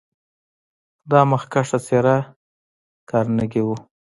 دا مخکښه څېره کارنګي و.